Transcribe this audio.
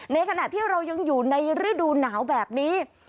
ขณะที่เรายังอยู่ในฤดูหนาวแบบนี้